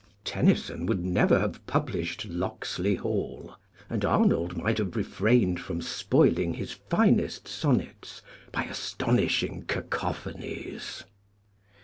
Tennyson would never have published " Locksley Hall," and Arnold might have refrained from spoiling his finest sonnets by astonishing cacophonies.